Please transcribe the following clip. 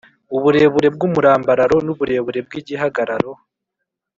uburebure bw'umurambararo, n'uburebure bw'igihagararo,